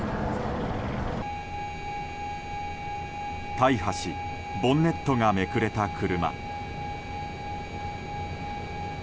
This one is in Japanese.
大破し、ボンネットがめくれた車。